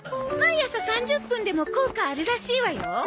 毎朝３０分でも効果あるらしいわよ。